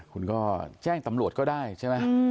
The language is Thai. คุณก็แจ้งตำรวจก็ได้ใช่ไหม